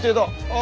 あ。